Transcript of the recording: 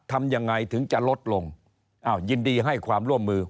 ทำยังไงถึงจะลดลงอ้าวยินดีให้ความร่วมมือ